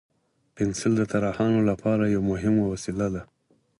پنسل د طراحانو لپاره یو مهم وسیله ده.